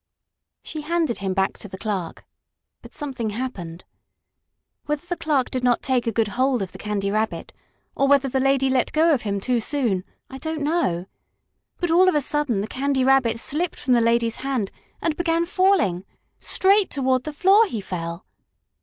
She handed him back to the clerk, but something happened. Whether the clerk did not take a good hold of the Candy Rabbit, or whether the lady let go of him too soon, I don't know. But, all of a sudden, the Candy Rabbit slipped from the lady's hand and began falling. Straight toward the floor he fell!